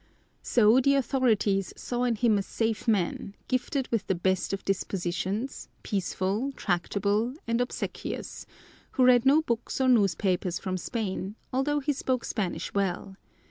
So the authorities saw in him a safe man, gifted with the best of dispositions, peaceful, tractable, and obsequious, who read no books or newspapers from Spain, although he spoke Spanish well.